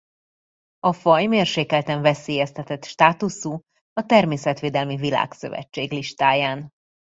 A faj mérsékelten veszélyeztetett státuszú a Természetvédelmi Világszövetség listáján.